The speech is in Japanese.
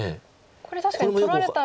これ確かに取られたら。